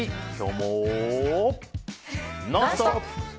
「ノンストップ！」。